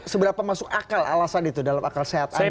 seberapa masuk akal alasan itu dalam akal sehat anda